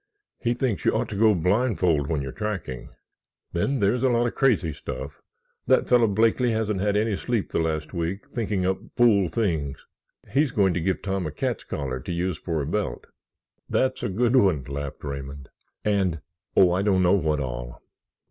He thinks you ought to go blindfold when you're tracking. Then there's a lot of crazy stuff—that fellow Blakeley hasn't had any sleep the last week thinking up fool things. He's going to give Tom a cat's collar to use for a belt." "That's a good one," laughed Raymond. "And—oh, I don't know what all.